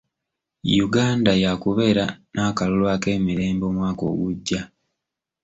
Uganda yaakubeera n'akalulu ak'emirembe omwaka ogujja.